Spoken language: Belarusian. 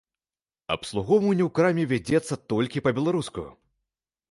Абслугоўванне ў краме вядзецца толькі па-беларуску.